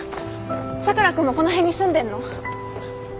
佐倉君もこの辺に住んでんの？